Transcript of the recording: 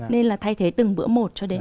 nên là thay thế từng bữa một cho đến